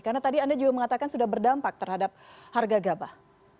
karena tadi anda juga mengatakan sudah berdampak terhadap harga gabah